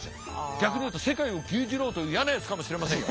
逆に言うと世界を牛耳ろうという嫌なやつかもしれませんよ。